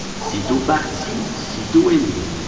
Sitôt parti, sitôt aimé.